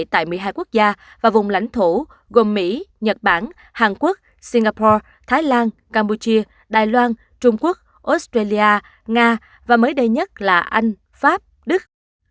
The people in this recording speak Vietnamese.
tại một mươi hai quốc gia và vùng lãnh thổ gồm mỹ nhật bản hàn quốc singapore thái lan campuchia đài loan trung quốc australia nga và mới đây nhất là anh pháp đức